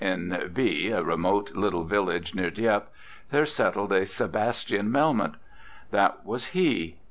In B , a remote little village near Dieppe, there settled a Sebastian Mel moth; that was he.